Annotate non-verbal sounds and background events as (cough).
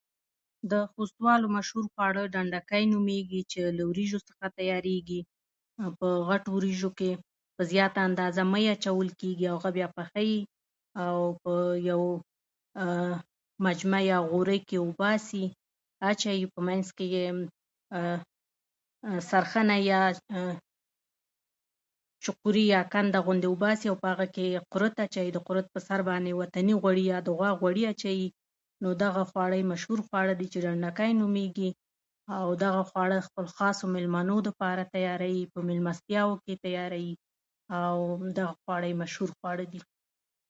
د خوستوالو مشهور خواړه ډنډکی نومېږي، چې له وريجو څخه تیارېږي او په غټو وريجو کې په زیاته اندازه مۍ اچول کېږي او هغه بیا پخوي او په یو (hesitation) مجمع کې یا غوري کې یې اوباسي، اچوي یې، په منځ کې یې سرخنه یا چقري یا کنده غوندې اوباسي او په هغه کې قورت اچوي او د قورت په سر باندې وطني غوړي یا د غوا غوړي اچوي. نو دا خواړه یې مشهور خواړه دي چې ډنډکی نومېږي او خپل خواړه د خپلو خاصو مېلمنو لپاره تیاروي، په مېلمستیاوو کې یې تیاروي او دغه خواړه یې مشهور خواړه دي.